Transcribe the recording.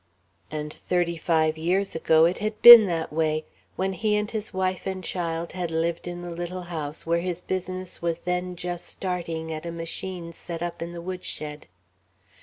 And thirty five years ago it had been that way, when he and his wife and child had lived in the little house where his business was then just starting at a machine set up in the woodshed.